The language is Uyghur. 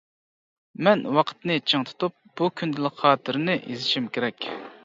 مەن ۋاقىتنى چىڭ تۇتۇپ بۇ كۈندىلىك خاتىرىنى يېزىشىم كېرەك.